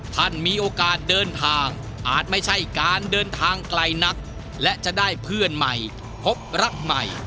ท่านมีโอกาสเดินทางอาจไม่ใช่การเดินทางไกลนักและจะได้เพื่อนใหม่พบรักใหม่